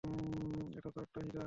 এটা তো একটা হীরা!